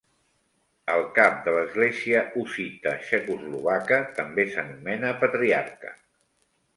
El cap de l'Església hussita txecoslovaca també s'anomena Patriarca.